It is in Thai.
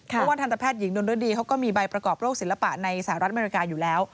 เพราะว่าทันตแพทย์หญิงดนรดีเขาก็มีใบประกอบโรคศิลปะในสหรัฐอเมริกาอยู่แล้ว